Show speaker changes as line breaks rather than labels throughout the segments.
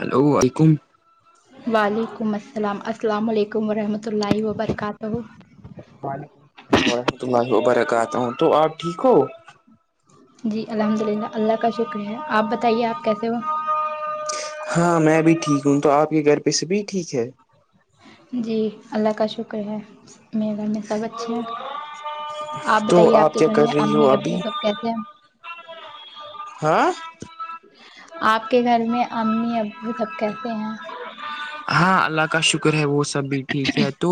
hello وعلیکم
وعلیکم السلام السلام علیکم ورحمۃ اللہ وبرکاتہ
وعلیکم السلام ورحمت اللہ وبرکاتہ ہوں تو آپ ٹھیک ہوف
جی الحمد للہ اللہ کا شکرہ ہے آپ بتائیے آپ کیسے ہو
ہاں میں بھی ٹھیک ہوں تو آپ کے گھر پہ سے بھی ٹھیک ہے
جی اللہ کا شکر ہے میرے گھر میں سب اچھے ہیں آپ
تو
بتائیے آپ کے
کیا
گھر
کر
میں
رہی ہو
امی
ابھی
ابو سب کہتے ہیں
ہاں
آپ کے گھر میں امی ابو سب کہتے ہیں
ہاں اللہ کا شکر ہے وہ سبھی ٹھیک ہے تو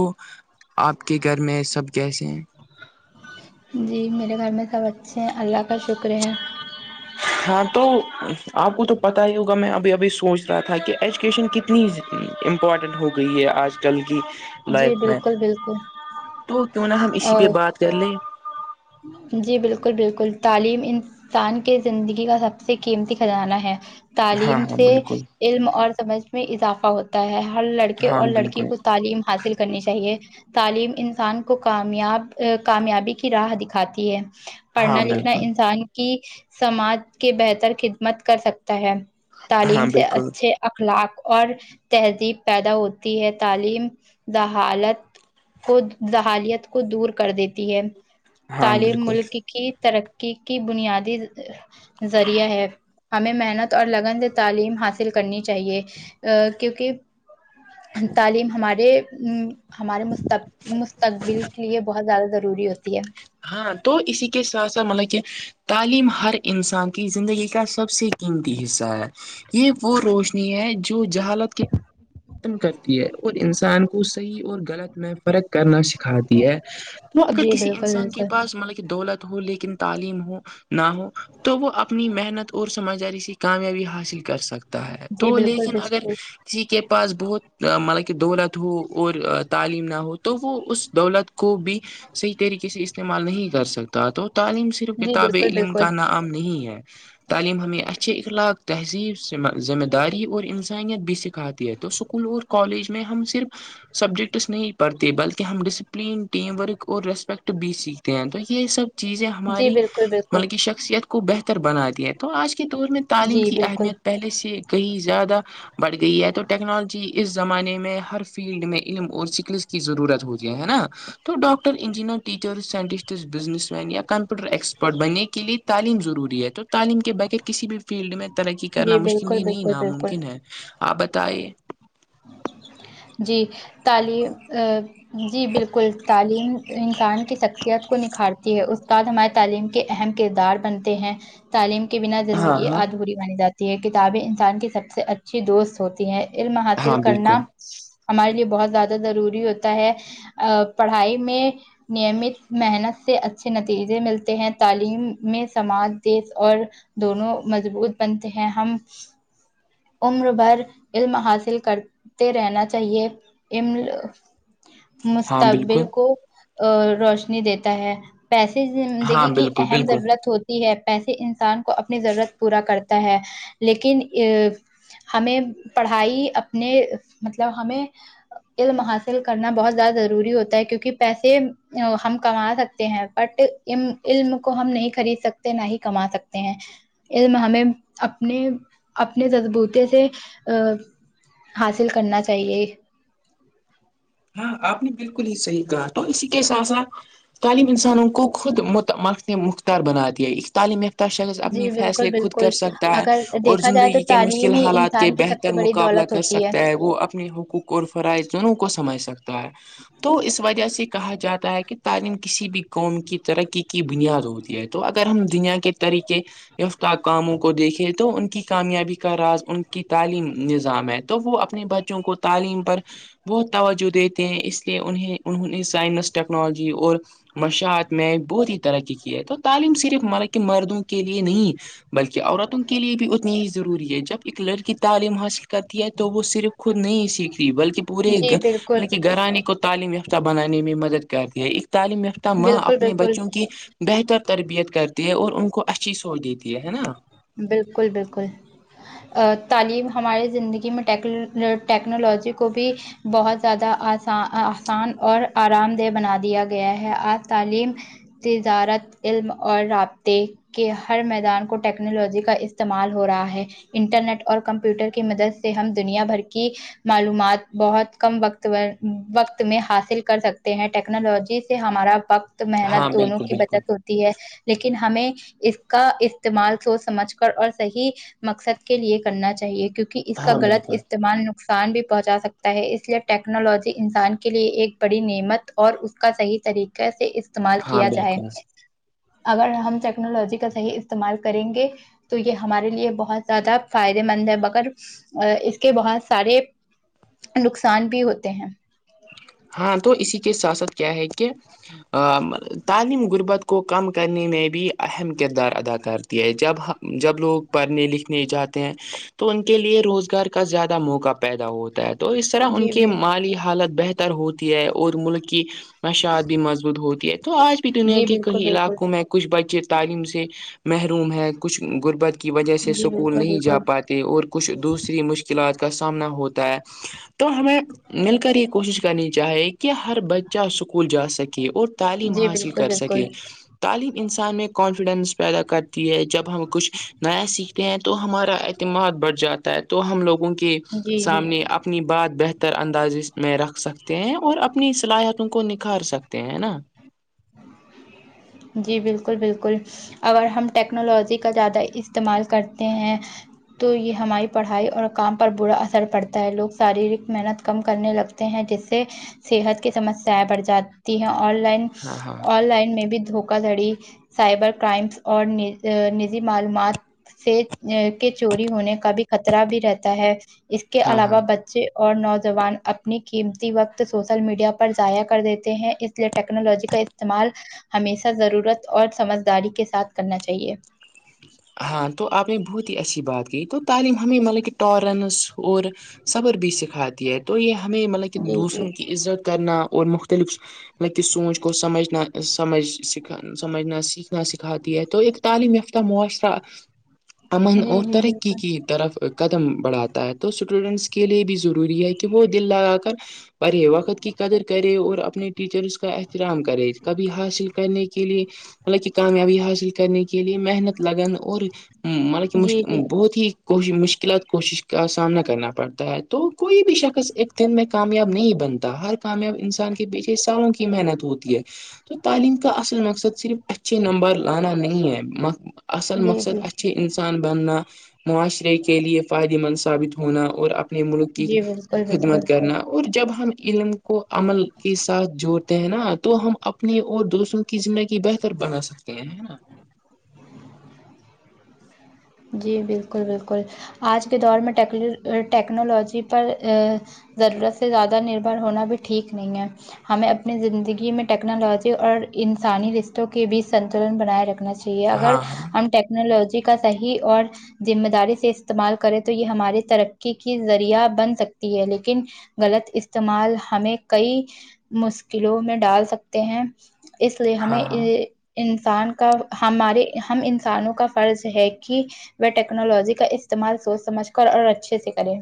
آپ کے گھر میں سب کیسے ہیں
جی میرے گھر میں سب اچھے ہیں اللہ کا شکر ہے
ہاں تو آپ کو تو پتا ہی ہوگا میں ابھی ابھی سوچ رہا تھا کہ ایجوکیشن کتنی اتنی امپورٹنٹ ہو گئی ہے آج کل کی
جی
لائک میں
بالکل بالکل
تو کیوں نہا ہم اسی پہ
اور
بات کر لیں
جی بالکل بالکل تعلیم ان انسان کے زندگی کا سب سے قیمتی خزانہ ہے
ہاں
تعلیم
ہاں
سے
بالکل
علم اور سمجھ میں اضافہ ہوتا ہے ہر لڑکے
ہاں
اور لڑکی
بالکل
کو تعلیم حاصل کرنی چاہیے تعلیم انسان کو کامیاب کامیابی کی راہ دکھ کھاتی ہے
ہاں
پڑھنا لکھنا
بالکل
انسان کی سماج کے بہتر خدمت کر سکتا ہے
ہاں
تعلیم سے
بالکل
اچھے اخلاق اور تہذیب پیدا ہوتی ہے تعلیم د حالت کو حالیت کو دور کر دیتی ہے
ہاں
تعلیم
بالکل
ملک کی ترقی کی بنیادی ذریعہ ہے ہمیں محنت اور لگن تعلیم حاصل کرنی چاہیے کیونکہ تعلیم ہمارے ہمارے مستق مستقبل کے لیے بہت زیادہ ضروری ہوتی ہے
ہاں تو اسی کے ساتھ ساتھ مطلب کہ تعلیم ہر انسان کی زندگی کا سب سے قیمتی حصہ ہے یہ وہ روشنی ہے جو جہالت کے ختم کرتی ہے اور انسان کو صحیح اور غلط میں فرق کرنا سکھاتی ہے تو اگر
جی
کسی
بالکل
انسان کے
بالکل
مطلب کہ دولت ہو لیکن تعلیم ہو نہ ہو تو وہ اپنی محنت اور سمجھداری س کامیابی حاصل کر سکتا ہے
جی
تو
بالکل
لیکن اگر
بالکل
کسی کے پاس بہت مطلب کہ دولت ہو اور تعلیم نہ ہو تو وہ اس دولت کو بھی صحیح طریقے سے اس استعمال نہیں کر سکتا تو تعلیم صرف
جی
کتاب
بالکل
علم
بالکل
کا نام نہیں ہے تعلیم ہمیں اچھے اخلاق تہذیب سے ذمہ داری اور انسانیت بھی سکھاتی ہے تو اسکول اور کالج میں ہم صرف سبجیکٹس نہیں پڑھتے بلکہ ہم ڈسپلین ٹیم ورک اور ریسٹ بی سیکھتے ہیں تو یہ سب چیزیں
جی
ہماری
بالکل بالکل
مطلب کی شخصیت کو بہتر بناتی ہے تو آج کے دور میں تعلیم
جی
کی
بالکل
اہمیت پہلے سے گئی زیادہ بڑھ گئی ہے تو ٹیکنالوجی اس زمانے میں ہر فیلڈ میں علم اور سکلس کیضرورت ہوتی ہے ہے نا تو ڈاکٹر انجینئر ٹیچر س بزنس مین یا کمپیوٹر ایکسپرٹ بننے کے لیئے تعلیم ضروری ہے تو تعلیم کے بغیر کسی بھی فیلڈ میں ترقی کرنا
جی
مشکل
بالکل
ہی نہیں
بالکل بالکل
ناممکن ہے آپ بتے
جی تعلیم جی بالکل تعلیم انسان کی شخصیت کو نکھارتی ہے استاد ہمارے تعلیم کے اہم کردار بنتے ہیں تعلیم کے بنا
ہاں
زندگی
ہاں
آدھوری مانی جاتی ہے کتابیں انسان کی سب سے اچھی دوست ہوتی ہیں علم حاصل
ہاں
کرنا
بالکل
ہمارے لیے بہت زیادہ ضروری ہوتا ہے ا پڑھائی میں نیمت محنت سے اچھے نتیجے ملتے ہیں تعلیم میں سماج دیس اور دونوں مضبوط بنتے ہیں ہم عمر بھر علم حاصل کرتے رہنا چاہیے
ہاں بالکل
مستقبل کو روشنی دیتا ہے پیسے
ہاں
زندگی کی
بالکل
اہم
بالکل
ضرورت ہوتی ہے پیسے انسان کو اپنی ضرورت پورا کرتا ہے لیکن ہمیں پڑھائی اپنے مطلب ہمیں علم حاصل کرنا بہت زیادہ ضروری ہوتا ہے کیونکہ پیسے ہم کما سکتے ہیں بٹ علم کو ہم نہیں خرید سکتے نہ ہی کما سکتے ہیں اس میں ہمیں اپنے اپنے بوتے سے حاصل کرنا چاہیے
ہاں آپ نے بالکل ہی صحیح کہا تو اسی کے ساتھ ساتھ تعلیم انسانوں کو خود مت مخنے مختار بنا دیا تعلیم یافتہ شخص اپنی
جی بالکل
فیصلے خود
بالکل
کر سکتا ہے
اگر
اور
دیکھا جائے تو
زندگی کے
تعلیم
مشکل
ہی
حالات کے
انسان کی سب
بہتر
سے بڑی
مقابلہ
دولت
کر
ہوتی
سکتا ہے وہ اپنے حقوق اور فرائض دونوں کو سمجھ سکتا ہے تو اس وجہ سے کہا جاتا ہے کہ تعلیم کسی بھی قوم کی ترقی کی بنیاد ہوتی ہے تو اگر ہم دنیا کے طریقے فت کااموں کو دیکھے تو ان کی کامیابی کا راز ان کی تعلیم نظام ہے تو وہ اپنے بچ بچوں کو تعلیم پر بہت توجہ دیتے ہیں اس لیے انہیں انہوں نے سائنس ٹیکنالوجی اور مشاعت میں بہت ہی طرح کی کی ہے تو تعلیم صرف ملب کہ مردوں کے لیے نہیں بلکہ عورتوں کے لیے بھی اتنی ہی ضروری ہے جب ایک لڑکی تعلیم حاصل کرتی ہے تو وہ صرف خود نہیں سیکھتی بلکہ پورے
جی بالکل
مطہ گھرانے کو تعلیم یافتہ بنانے میں مدد کرتی ہے ایک تعلیم یافتہ ماں
بالکل
اپنے
بالکل
بچوں کی بہتر تربیت کرتی ہے اور ان کو اچھی سوچ دیتی ہے ہے نا
بالکل بالکل تعلیم ہمارے زندگی میں ٹیکنالوجی کو بھی بہت زیادہ آسان آسان اور آرام دہ بنا دیا گیا ہے آج تعلیم تجارت علم اور رابطے کے ہر میدان کو ٹیک ٹیکنالوجی کا استعمال ہو رہا ہے انٹرنیٹ اور کمپیوٹر کی مدد سے ہم دنیا بھر کی معلومات بہت کم و وقت میں حاصل کر سکتے ہیں ٹیکنالوجی ہمارا وقت
ہاں
محنت دونوں
بالکل
کی
بالکل
بچت ہوتی لیکن ہمیں اس کا استعمال سوچ سمجھ کر اور صحیح مقصد کے لیے کرنا چاہیے کیونکہ اس کا
ہاں
غلط
بالکل
استعمال نقصان بھی پہنچا سکتا ہے اس لیے ٹیکنالوجی انسان کے لیے ایک بڑی نعمت اور اس کا صحیح طریقے سے اس استعمال
ہاں
کیا جائے
بالکل
اگر ہم ٹیکنالوجی کا صحیح استعمال کریں گے تو یہ ہمارے لیے بہت زیادہ فائدے مند ہے مگر اس کے بہت سارے نقصان بھی ہوتے ہیں
ہاں تو اسی کے ساتھ ساتھ کیا ہے کہ تعلیم غربت کو کم کرنے میں بھی اہم کردار ادا کرتے ہے جب ہم جب لوگ پڑھنے لکھنے جاتے ہیں تو ان کے لیے روزگار کا زیادہ موقع پیدا ہوتا ہے تو اس طرح ان
جی
کے
جی
مالی حالت بہتر ہوتی ہے اور ملک کی مشاعت بھی مضبوط ہوتی ہے تو آج بھی دنیا
جی
کے
بالکل
کئی
بالکل
علاقوں میں کچھ بچے تعلیم سے محروم ہیں کچھ غربت کی وجہ سے
جی
سکول
بالکل
نہیں جا
بالکل
پاتے اور کچھ دوسری مشکلات کا سامنا ہوتا ہے تو ہمیں مل کر ایک کوشش کرنی چاہے کہ ہر بچہ اسکول جا سکے اور تعلیم
جی
حاصل
بالکل
کر
بالکل
سکے تعلیم انسان میں کانفیڈینس پیدا کرتی ہے جب ہم کچھ نیا سیکھتے ہیں تو ہمارا مت بڑھ جاتا ہے تو ہم لوگوں کے
جی جی
سامنے اپنی بات بہتر اندازی میں رکھ سکتے ہیں اور اپنی صلاحیتوں کو نکھار سکتے ہیں نا
جی بالکل بالکل اگر ہم ٹیکنالوجی کا زیادہ استعمال کرتے ہیں تو یہ ہماری پڑھائی اور کام پر برا اثر پڑتا ہے لوگ شاریرک محنت کم کرنے لگ ہیں جس سے صحت کی سمسیایں بڑھ جاتی ہیں آن لائن
ہاں ہاں
لائن میں بھی دھوکا دھڑی سائبر کرائمس اور نجی معلومات سے ا کے چوری ہونے کا بھی خطرہ بھی رہتا ہے اس کے
ہاں ہاں
علاوہ ب بچے اور نوجوان اپنی قیمتی وقت سوشل میڈیا پر ضائع کر دیتے ہیں اس لیے ٹیکنالوجی کا استعمال ہمیشہ ضرورت اور سمجھداری کے ساتھ کرنا چاہیے
ہاں تو آپ نے بہت ہی اچھی بات کی تو تعلیم ہمیں مطلب کہ ٹالنس اور صبر بھی سکھاتی ہے تو یہ ہمیں مطلب کہ دوسروں کی عزت کرنا اور مختلف مطلب کی سوچ کو سمجھنا سمجھ سکھ سمجھنا سیکھنا سکھاتی ہے تو ایک تعلیم یافتہ معاشرہ امن
جی
اور
جی
ترقی
بالکل
کی طرف قدم بڑھاتا ہے تو اسٹوڈینٹس کے لیے بھی ضروری ہے کہ وہ دل لگا کر پڑھے وقت کی قدر کرے اور اپنے ٹیچرس کا احترام کرے کبھی حاصل کرنے کے لیے مطلب کہ کامیابی حاصل کرنے کے لیے محنت لگن اور مطلب کہ مش
جی جی
بہت ہی کو مشکلات کوشش کا سامنا کرنا پڑتا ہے تو کوئی بھی شخص ایک دن میں کامیاب نہیں بنتا ہر کامیاب انسان کے پیچھے سالوں کی محنت ہوتی ہے تو تعلیم کا اصل مقصد صرف اچھے نمبر لانا نہیں ہے اصل
جی جی
مقصدا اچھے انسان بننا معاشرے کے لیے فائدے مند ثابت ہونا اور اپنے ملک کی
جی بالکل بالکل
خدمت کرنا اور جب ہم علم کو عمل کے ساتھ جوڑتے ہیں نا تو ہم اپنے اور دوستوں کی زندگی بہتر بنا سکتے ہیں نا
جی بالکل بالکل آج کے دور میںٹ ٹیکنالوجی پر ضرورت سے زیادہ نربھر ہونا بھی ٹھیک نہیں ہے ہمیں اپنی زندگی میں ٹیکنالوجی اور انسانی رشتوں کے بیچ سنتلن بنائے رکھنا چاہیے اگر
ہاں ہاں
ہم ٹیکنالوجی کا صحیح اور ذمہ داری سے استعمال کرے تو یہ ہماری ترقی کی ذریعہ بن سکتی ہے لیکن غلط استعمال ہمیں کئی مشکلوں میں ڈال سکتے ہیں اس لیے
ہاں
ہمیں
ہاں
انسان کا ہمارے ہم انسانوں کا فرض ہے کہ وہ ٹیکنالوجی کا استعمال سوچ سمجھ کر اور اچھے سے کرے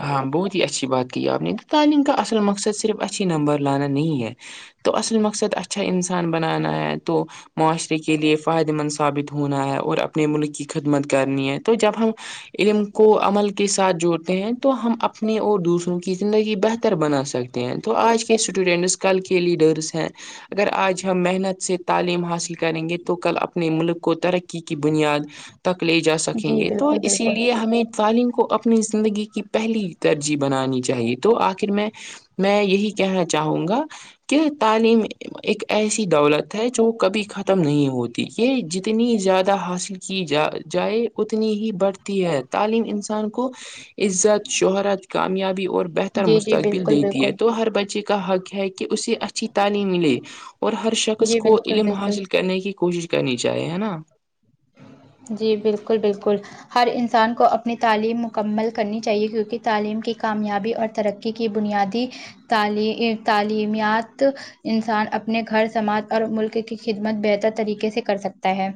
ہاں بہت ہی اچھی بات کہ آپ نے تو تعلیم کا اصل مقصد صرف اچھی نمبر لانا نہیں ہے تو اصل مقصد اچھا انسان بنانا ہے تو معاشرے کے لیے فائدے مند ثابت ہو ہونا ہے اور اپنے ملک کی خدمت کرنی ہے تو جب ہم علم کو عمل کے ساتھ جوڑتے ہیں تو ہم اپنے اور دوسروں کی زندگی بہتر بنا سکتے ہیں تو آج کے اسٹوڈنٹس کو کل کے لیڈرس ہیں اگر آج ہم محنت سے تعلیم حاصل کریں گے تو کل اپنے ملک کو ترقی کی بنیاد تک لے جا سکیں
جی
گے تو
بالکل
اسی
بالکل
لیے ہمیں تعلیم کو اپنی زندگی کی پہلی ترجیح بنانی چاہیے تو آخر میں میں یہی کہنا چاہوں گا کہ تعلیم ایک ایسی دولت ہے جو کبھی ختم نہیں ہوتی یہ جتنی زیادہ حاصل کی جا جائے اتنی ہی بڑھتی ہے تعلیم انسان کو عزت شہرت کامیابی اور بہتر
جی جی
مستقبل
بالکل
دیتی ہے
بالکل
تو ہر بچے کو حق ہے کہ اسے اچھی تعلیم ملے اور ہر شخص
جی
کو
بالکل
علم
بالکل
حاصل کرنے کی کوشش کرنی چاہیے ہے نا
جی بالکل بالکل ہر انسان کو اپنی تعلیم مکمل کرنی چاہیے کیونکہ تعلیم کی کامیابی اور ترقی کی بنیادی تعلیمیات انسان اپنے گھر سماج اور ملک کی خدمت بہتر طریقے سے کر سکتا ہے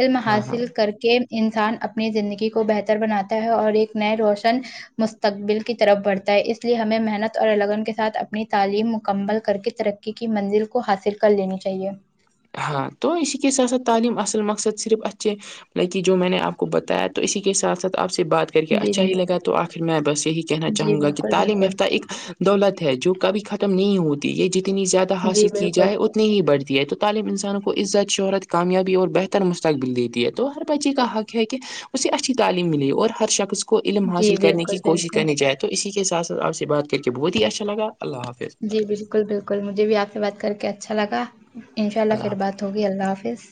علم
ہاں ہاں
حاصل کر کے انسان اپنی زندگی کو بہتر بناتا ہے اور ایک نئے روشن مستقبل کی طرف بڑھتا ہے اس لیے ہمیں محنت اور لگن کے ساتھ اپنی تعلیم مکمل کر کے ترقی کی منزل کو حاصل کر لینی چاہیے
ہاں تو اسی کے ساتھ سھ تعلیم اصل مقصد صرف اچھے بکی جو میں نے آپ کو بتایا تو اسی کے ساتھ ساتھ آپ سے بات پھر کہ
جی
اچھا
جی
ہی لگا تو آخر میں بس یہی کہنا
جی
چاہوں گا کہ
بالکل
تعلیم
بالکل
یافتہ ایک دولت ہے جو کبھی ختم نہیں ہوتی یہ جتنی زیادہ
جی
حاصل کی
بالکل
جائے اتنی ہی بڑھتی ہے تو طالم انسان کو عزت شہرت کامیابی اور بہتر مستقبل دیتی ہے تو ہر بچے کا حق ہے کہ اسے اچھی تعلیم ملی اور ہر شخص کو علم
جی
حاصل کرنے
بالکل
کی کوشش
بالکل
کرنے جائے تو اسی کے سات ساتھ آ سے بات کر کے بہت ہی اچھا لگا اللہ حافظ
جی بالکل بالکل مجھے بھی آپ سے بات کر کے اچھا لگا انشاء اللہ پھر بات ہوگی اللہ حافظ